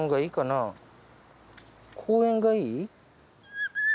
公園がいい？